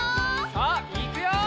さあいくよ！